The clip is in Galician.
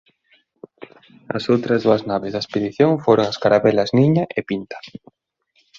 As outras dúas naves da expedición foron as carabelas "Niña" e "Pinta".